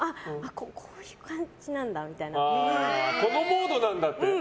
このモードなんだって。